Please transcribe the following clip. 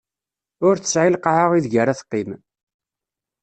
Ur tesɛi lqaɛa ideg ar ad teqqim.